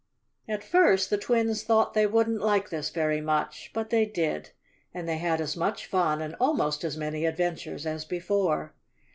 At first the twins thought they wouldn't like this very much, but they did, and they had as much fun and almost as many adventures as before.